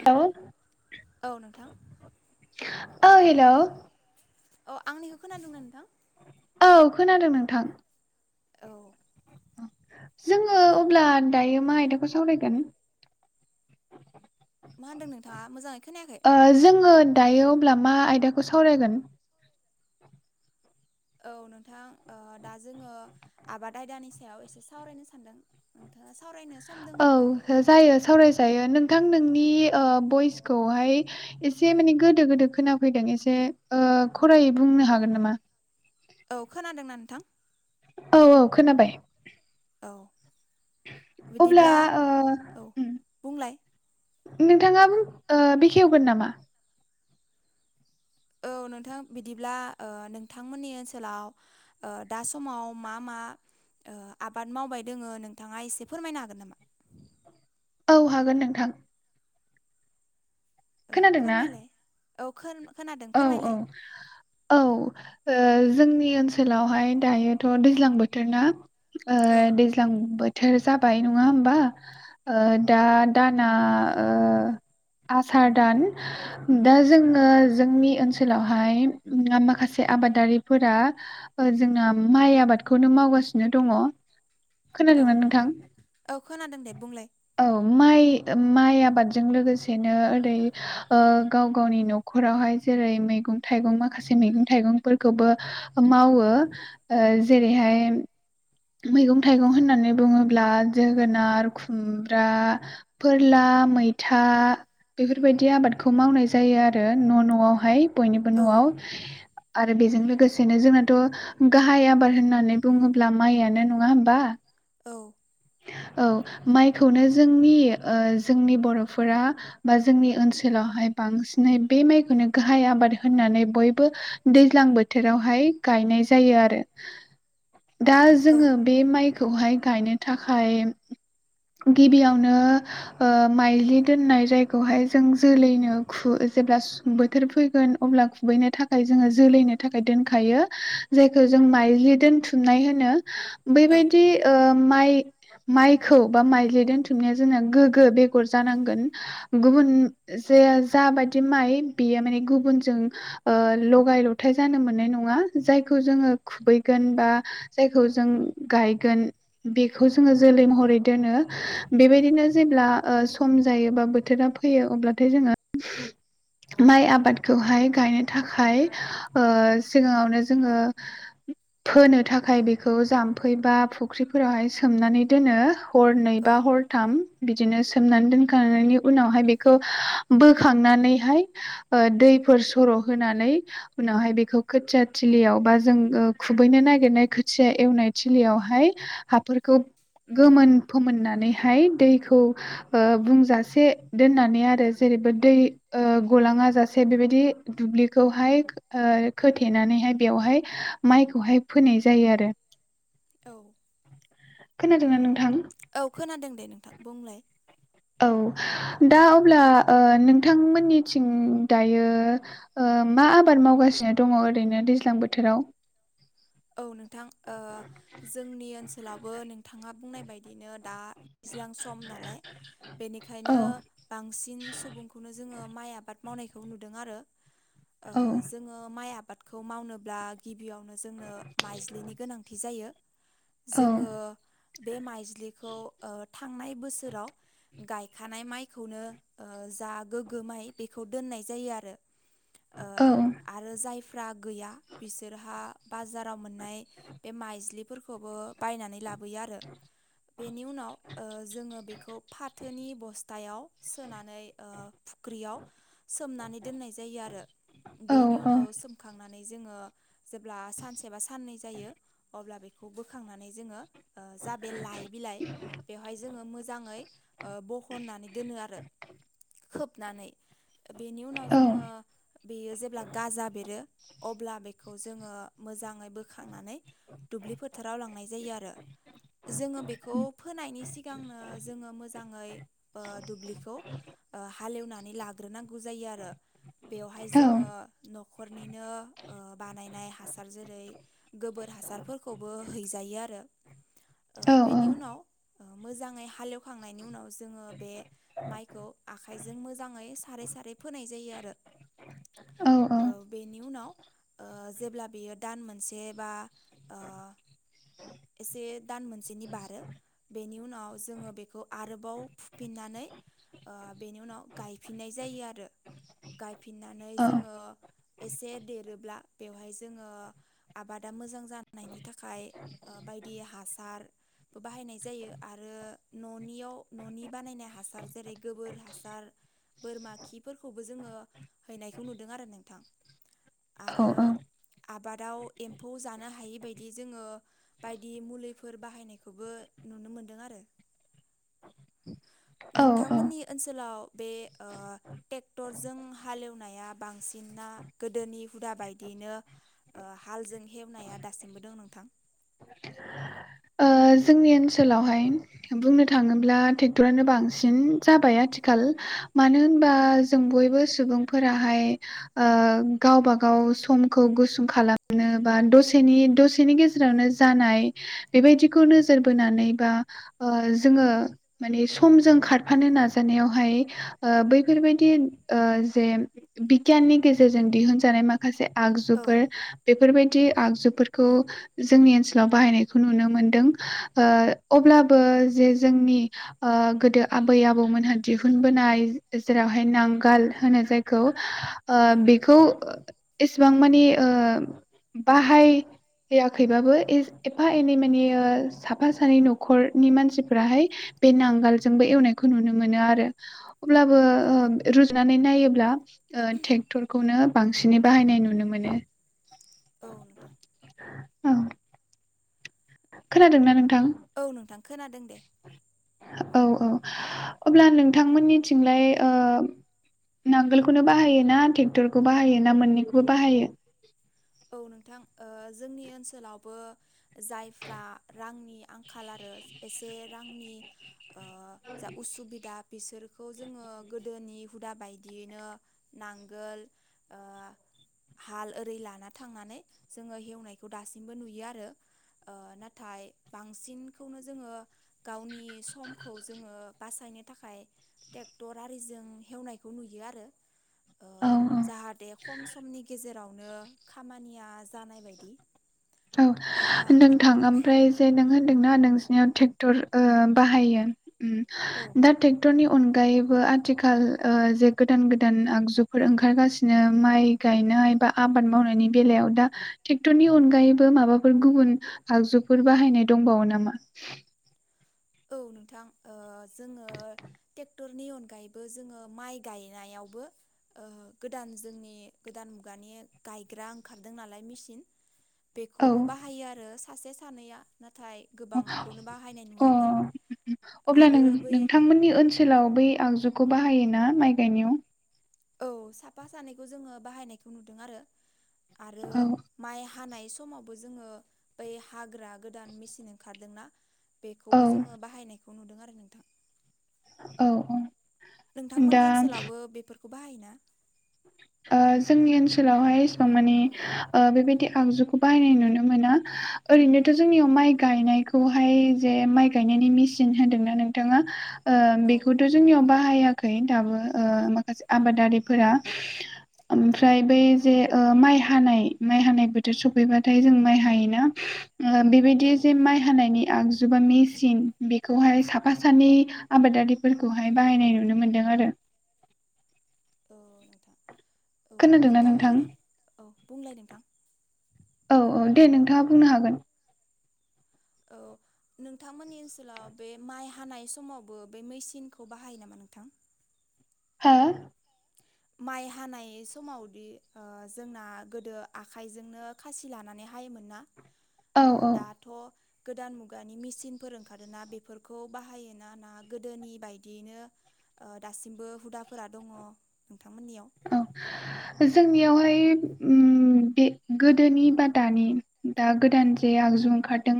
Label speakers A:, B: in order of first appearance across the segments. A: Hello
B: औ नोंथां
A: ओइ हेलौ
B: अ आंनिखौ खोनादोंं नोंथां
A: औ खोनादों नोंथां
B: औ।
A: जोङो अब्ला दायो मा आयदाखौ सावरायगोन
B: मा होन्दों नोंथाङा मोजाङै खोनायाखै
A: ओ जोङो दायो अब्ला मा आयदाखौ सावरायगोन।
B: औ नोंथां ओ दा जोङो आबाद आयदानि सायाव एसे सावरायनो सानदों नोंथां।
A: औ हो जायो सावरायजायो नों बिथां नोंनि ओ बयसखौहाय एसे माने गोदो गोदो खोनाफैदों एसे ओ ओ खरायै बुंनो हागोन नामा?
B: औ खोनादोंना नोंथां
A: औ औ खोनाबाय
B: औ
A: अब्ला
B: बिदिब्ला
A: ओ
B: औ
A: उम
B: बुंलाय
A: नोंथाङा उम ओ बेखेवगोन नामा?
B: औ
A: [inaudible]
B: नोंथां बिदिब्ला ओ नोंथांमोननि ओनसोलाव दा समाव मा मा ओ आबाद मावबाय दोङो नोंथाङा एसे फोरमायनो हागोन नामा
A: औ हागोन नोंथां
B: औ
A: खोनादोंना
B: फोरमायलाय औ खोन
A: औ औ औ ओ जो जोंनि ओनसोलावहाय दायोथ दैज्लां बोथोर ना
B: औ
A: दैज्लां बोथोर बोथोर जाबाय नङा होमबा ओ दा दाना आसार दान दा जोङो जोंनि ओनसोलावहाय माखासे आबादारिफोरा जोंना माइ आबाद आबादखौनो मावगासिनो दङ
B: औ
A: खोनादोंमोन नोंथां
B: औ खोनादों दे बुंलाय
A: औ माइ माइ आबादजों लोगोसेनो ओरै ओ गाव गावनि नख नखरावहाय जेरै मैगं थाइगं माखासे मैगं थाइगंफोरखौबो मावो जेरैहाय मैगं थाइगं होननानै बुङोब्ला जोगोनार खुमब्रा फोरला ा मैथा बेफोरबायदि आबादखौ मावनाय जायो आरो आरो न नआवहाय बयनिबो
B: औ
A: न आव आरो बेजों लोगोसेनो जोंनाथ गाहाय आबाद होननानै बुङोब्ला माइयानो नङा होमबा
B: औ
A: औ माइखौनो जोंनि ओ जोंनि बर फोरा बा जोंनि ओनसोलाव दहाय बांसिन ै बे माइखौनो माइ आबाद होननानै बयबो दैज्लां बोथोरावहाय गायनाय जायो दा जोङो बे माइखौहाय गायनो थाखाय गिबियावनो माइलि दोननाय जायखौहाय जों जोलैनो खु जेब्ला बोथोर फैगोन अब्ला खुबैनो थाखाय जोङो जोलैनो थाखाय दोनखायो जायखौ ज- जों माइलि दोनथुमनाय होनो
B: औ
A: बैबायदि माइ माइखौ बा माइजलि दोनथुमनाया जोंना गोग्गो बेगर जानांगोन गुबुन जे जाबाय दि माइ बेयो माने गुबुनजों ओ लगाय लथाय जानो मोननाय नङा जायखौ जोङो खुबैगोन बा जायखौ जों गायगोन बेखौ जोङो जोलै महरै दोनो बेबायदिनो जेब्ला ओ सम जायो बा बोथोरा फैयो अब्लाथाय जोङो माइ आबादखौहाय गायनो थाखाय ओ सिगाङावनो जोङो फोनो थाखाय बेखौ जाम्फै बा फुख्रिफोरावहाय सोमनानै दोनो हर नै बा
B: औ
A: हर थाम बिदिनो सोमनानै दोनखांनायनि उनावहाय बेखौ बोखांनानै हाय ओ दै फोर सर होनानै उनावहाय बेखौ खोथिया थिलियाव बा जों- खुबैनो नागिरनाय खोथिया एवनाय थिलियावहाय हाफोरखौ गोमोन फोमोननानैहाय दैखौ ओ बुंजासे दोननानै आरो जेरै एबा दै ओ गलाङा जासे बेबायदि दुब्लिखौहाय खोथेनानैहाय बेवहाय माइखौहाय फोनाय जायो आरो
B: औ
A: खोनादोंना नोंथां
B: औ खोनादों दे नोंथां बुंलाय
A: औ दा अब्ला ओ नोंथांमोननिथिं दायो ओ मा आबाद मावगासिनो दङ ओरैनो दैज्लां बोथोराव?
B: औ नोंथां ओ जोंनि ओनसोलावबो नोंथाङा बुंनाय बायदिनो दा दैज्लां सम नालाय
A: औ
B: बेनिखायनो बांसिन सुबुंखौनो जोङो माइ आबाद मावनायखौ नुदों आरो। ओ
A: औ
B: जोङो माइ आ बादखौ मावनोब्ला गिबियावनो जोंनो माइज्लिनि गोनांथि जायो।
A: औ
B: जोङो बे माइज्लिखौ ओ थांनाय बोसोराव गायखानाय माइखौनो ओ जा गोग्गो माइ बेखौ दोननाय जायो आरो। ओ
A: औ
B: आरो जायफ्रा गैया बिसोरहा बाजार आव मोननाय बे माइजलिफोरखौबो बायनानै ला बोयो आरो। बेनि उनाव ओ जोङो बेखौ फाथोनि बस्थायाव सोनानै ओ फुख्रियाव सोमनानै दोननाय जायो आरो।
A: औ
B: बेनि उनाव सोमखांनानै नानै जोङो जेब्ला सानसे बा साननै जायो अब्ला बेखौ बोखांनानै जोङो जा बे लाइ बिलाइ बेवहाय जोङो मोजाङै ओ बहननानै दोनो आरो
A: [inaudible]
B: हनानै बेनि उनाव
A: औ
B: जोङो बेयो जेब्ला गाजा बेरो अब्ला बेखौ जोङो मोजाङै बोखांनानै दुब्लि फोथाराव लांनाय जायो आरो। जोङो बेखौ फोनायनि सिगांनो जोङो मोजाङै ओ दुब्लिखौ ओ हालेवनानै लाग्रोनांगौ जायो आरो। बेयावहाय
A: औ
B: जोङो न'खरनिनो ओ बानायनाय हासार जेरै गोबोर हासारफोरखौबो हैजायो आरो।
A: औ
B: बेनि उनाव ओ मोजाङै हालेवखांनायनि उनाव जोङो बे माइखौ आखाइजों मोजाङै सारै सारै फोनाय जायो आरो।
A: [unintelligible]
B: ओ बेनि उनाव ओ जेब्ला बेयो दान मोनसे बा ओ एसे दान मोनसेनि बारो बेनि उनाव जोङो बेखौ आरोबाव फुफिननानै ओ बेनि उनाव गायफिननाय जायो आरो। गायफिननानै जोङो एसे देरोब्ला बेवहाय जोङो आबादा मोजां जानायनि थाखाय बायदि हासार बाहायनाय जायो आरो न'नियाव न'नि बानायनाय हासार जेरै गोबोर हासार बोरमा खिफोरखौबो जोङो हैनायखौ नुदों आरो नोंथां आरो
A: औ
B: आबादाव एम्फौ जानो हायिबायायदि जोङो बायदि मुलिफोर बाहायनायखौबो नुनो मोनदों आरो।
A: औ औ
B: नोंथांमोननि ओनसोलाव बे ओ टेक्टरजों हालेवनाया बांसिनना गोदोनि हुदा बायदि बेनो ओ हालजों हेवनाया दासिमबो दं नोंथां
A: ओ जोंनि ओनसोलावहाय बुंनो थाङोब्ला टेक्टरानो बांसिन जाबाय आथिखाल मानो होनबा जों बयबो सुबुंफोराहाय ओ गावबा गाव समखौ गुसुं खालामनो बा दसेनि दसेनि गेजेरावनो जानाय बेबायदिखौ नोजोर बोनानै बा ओ जोङो माने समजों खारफानो नाजानाय वहाय बैफोरबायदि जे बिगियाननि गेजेरजों दिहुन जानाय माखासे आगजुफोर
B: औ
A: बेफोरबायदि आगजुफोरखौ जोंनि ओनसोलाव बाहायनाय नुनो मोनदों। ओ अब्लाबो जे जोंनि गोदो आबै आबौ मोनहा दिहुनबोनाय जेरावहाय नांगाल होनो जायखौ ओ
B: औ
A: बेखौ एसेबां मानि ओ बाहाय होआखैबाबो एफा एनै माने साफा सानै न'खरनि मानसिफोराहाय बे नांगोलजोंबो एवनायखौ नुनो मोनो आरो अब्लाबो
B: औ
A: ओ रुजनानै नायोबा ओ टेक्टरखौनो बांसिनै बाहायनाय नुनो मोनो।
B: औ नोंथां।
A: औ। खोनादों ना नों
B: औ नोंथां खोनादों दे।
A: औ औ अब्ला नोंथांमोननिथिंलाय ओ नांगोलखौनो बाहायो ना ट्रेक्टरखौ बाहायो ना मोननैखौबो बाहायो?
B: औ नोंथां ओ जोंनि ओनसोलावबो जायफ्रा रांनि आंखाल आरो एसे रांनि ओ जा उसुबिदा बिसोरखौ जोङो गोदोनि हुदा बायदियैनो नांगोल ओ हाल ओरै लाना थांनानै जोङो हेवनायखौ दासिमबो नुयो आरो ओ नाथाय बांसिनखौनो जोङो गावनि समखौ जोङो बासाय नो थाखाय टेक्टर आरिजों हेवनायखौ नुयो आरो ओ
A: औ
B: जाहाथे खम समनि गेजेरावनो खामानिया जानाय बायदि।
A: औ
B: ओ
A: नोंथां ओमफ्राय जे नों हो दों ना नोंसोरनियाव थेक्टर ओ बाहायो ओम
B: औ
A: दा थेक्टरनि अनगायैबो आथिखाल ओ जे गोदान गोदान आगजुफोर ओंखारगासिनो माइ गाय नाय बा आबाद मावनायनि बेलायाव दा टेक्टरनि अनगायै बो माबाफोर गुबुन आगजुफोर बाहायनाय दंबावो नामा?
B: औ नोंथां ओ जोङो टेक्टरनि अनगायैबो जोङो माइ गायनायावबो ओ गोदान जोंनि गोदान मुगानि गायग्रा ओंखारदों नालाय मेसिन।
A: औ
B: बेखौबो बाहायो आरो सासे सानैया नाथाय गोबांखौनो बाहायनाय नुवाखै।
A: अ अब्ला नों
B: आरो बै
A: नोंथांमोननि ओनसोलाव बै आगजु खौ बाहायो ना माइ गायनायाव?
B: औ साफा सानैखौ जोङो बाहायनायखौ नुदों आरो आरो
A: औ
B: माइ हानाय समावबो जोङो बै हाग्रा गोदान मेसिन ओंखारदों ना
A: औ
B: बेखौबो जोङो बाहायनायखौ नुदों आरो नोंथां।
A: औ औ।
B: नोंथांमोननि
A: दा
B: ओनसोलावबो बेफोरखौ बाहायो ना?
A: ओ जोंनि ओनसोलावहाय एसेबां मानि ओ बेबायदि आगजुखौ बाहायनाय नुनो मोना। ओरैनोथ' जोंनियाव माइ गायनायखौहाय जे माइ गायनायनि मेसिन होनदों ना नोंथाङा? ओं
B: औ
A: बेखौथ' जोंनियाव बाहायाखै दाबो ओ माखासे आबादारिफोरा ओमफ्राय बेै जे ओ माइ हानाय माइ हानाय बोथोर सफैबाथाय जों माइ हायो ना? ओ
B: औ
A: बेबायदि जे माइ हानायनि आग जु बा मेसिन बेखौहाय साफा सानै आबादारिफोरखौहाय बाहायनाय नुनो मोन्दों आरो
B: औ नोंथां औ
A: खोनादों ना नोंथां?
B: नोंथांमोननि औ बुंलाय नोंथां।
A: औ औ दे नोंथाङा बुंनो हागोन।
B: औ नोंथांमोननि ओनसोलाव बे माइ हानाय समावबो बे मेसिनखौ बाहायो नामा नोंथां?
A: हा?
B: माइ हानाय समावदि ओ जोंना गोदो आखाइजोंनो खासि लानानै हायोमोन ना
A: औ
B: ओ
A: औ
B: दाथ' गोदान मुगानि मेसिनफोर ओंखारदों ना बेफोरखौ बाहायो ना ना गोदोनि बायदियैनो ओ दासिमबो हुदाफोरा दङ'। नोंथांमोननियाव
A: औ जोंनियावहाय ओम बे गोदोनि बा दानि दा गोदान जे आगजु ओंखारदों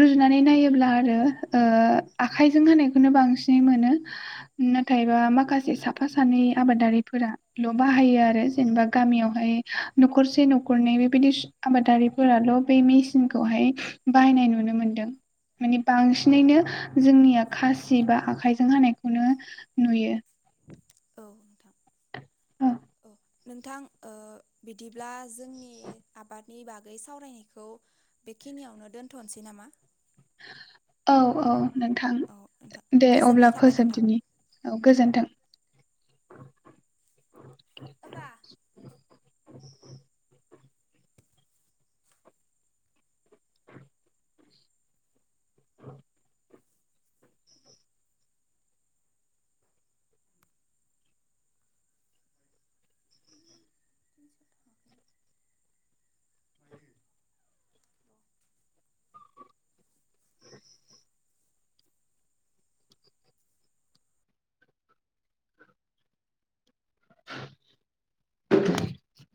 A: रुजुनानै नाय योब्ला आरो ओ आखाइजों होनायखौनो बांसिन मोनो नाथाय बा माखा साफा सानै आबादारिफोरा ल' बाहायो आरो जेनेबा गामियावहाय न'खरसे न'खरनै बेबायदि आबादारिफोराल' औ बे मेचनखौहाय बाहायनाय नुनो मोनदों। माने बांसिनैनो जोंनिया खासि बा आखाइजों हानायखौनो नुयो।
B: औ नोंथां।
A: औ।
B: नोंथां ओ बिदिब्ला जोंनि आबादनि बागै सावरायनायखौ बेखिनियावनो दोन्थ'नोसै नामा?
A: औ औ। नोंथां
B: औ नोंथां
A: दे
B: गोजोननाय
A: अब्ला
B: थाबाय नोंथां
A: फोजोबदिनि औ गोजोन्थों।
B: एबा
A: [inaudible]
B: [inaudible]
A: [inaudible]